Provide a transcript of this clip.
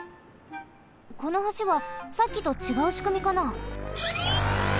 この橋はさっきとちがうしくみかな？